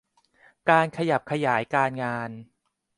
การขยับขยายการงาน